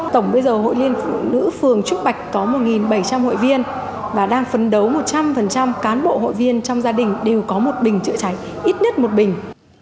tổng bây giờ hội liên phụ nữ phường trúc bạch có một bảy trăm linh hội viên và đang phấn đấu một trăm linh cán bộ hội viên trong gia đình đều có một bình chữa cháy ít nhất một bình